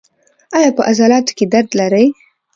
ایا په عضلاتو کې درد لرئ؟